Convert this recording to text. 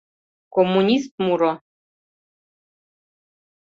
КОММУНИСТ МУРО